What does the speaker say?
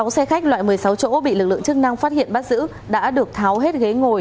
sáu xe khách loại một mươi sáu chỗ bị lực lượng chức năng phát hiện bắt giữ đã được tháo hết ghế ngồi